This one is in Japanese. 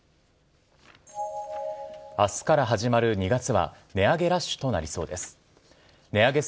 あすから始まる２月は、値上げラッシュとなりそうです。